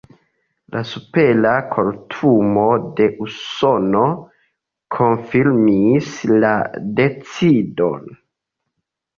La Supera Kortumo de Usono konfirmis la decidon.